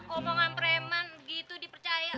omongan preman gitu dipercaya